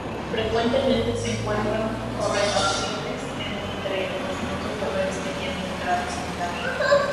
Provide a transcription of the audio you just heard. Frecuentemente se encuentran correlaciones entre los nodos de redes que tienen grado similar.